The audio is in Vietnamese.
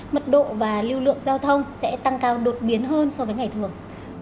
mật độ và lưu lượng giao thông sẽ tăng cao đột biến hơn so với ngày thường